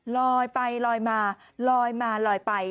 ลอยไปลอยมาลอยมาลอยไป